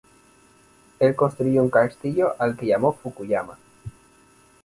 Él construyó un castillo al que llamó Fukuyama.